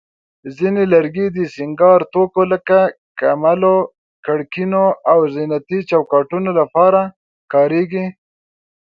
ځینې لرګي د سینګار توکو لکه کملو، کړکینو، او زینتي چوکاټونو لپاره کارېږي.